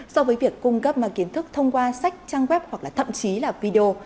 so với việc cung cấp kiến thức thông qua sách trang web hoặc là thậm chí là video